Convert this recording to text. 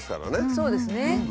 そうですね。